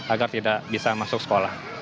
agar tidak bisa masuk sekolah